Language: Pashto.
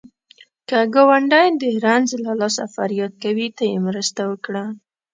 که ګاونډی د رنځ له لاسه فریاد کوي، ته یې مرسته وکړه